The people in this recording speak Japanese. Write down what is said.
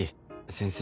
先生